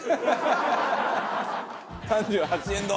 ３８円丼！